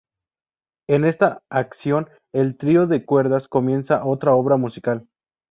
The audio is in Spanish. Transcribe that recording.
En esta acción el trío de cuerdas comienza otra obra musical.